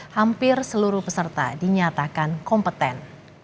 hampir seluruh peserta dinyatakan kompeten